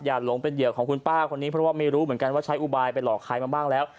หลงเป็นเหยื่อของคุณป้าคนนี้เพราะว่าไม่รู้เหมือนกันว่าใช้อุบายไปหลอกใครมาบ้างแล้ว